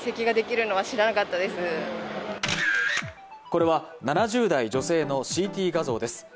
これは、７０代女性のＣＴ画像です。